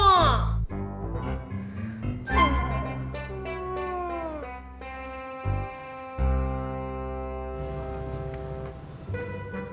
udah rata n feeds anything di